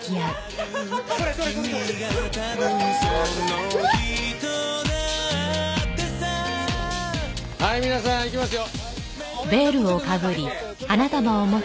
はいじゃあ皆さんいきますよ。